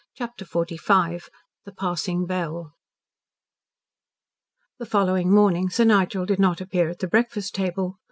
CHAPTER XLV THE PASSING BELL The following morning Sir Nigel did not appear at the breakfast table.